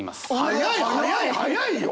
早い早い早いよ！